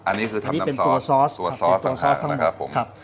อันนี้คือทำน้ำซอสตัวซอสตัวซอสทั้ง๕นะครับ